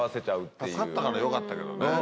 助かったからよかったけどね。